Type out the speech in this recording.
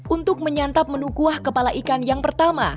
untuk menyantap menu kuah kepala ikan yang pertama